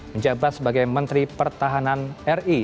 menjabat sebagai menteri pertahanan ri